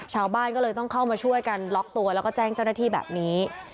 ชาวบ้านก็เลยต้องเข้ามาช่วยกันล็อกตัวแล้วก็แจ้งเจ้าหน้าที่แบบนี้